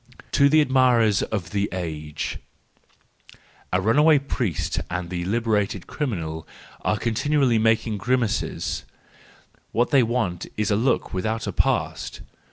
To the Admirers of the Age .—Th$ runaway priest and the liberated criminal are continually making grimaces; what they want is a look without a past.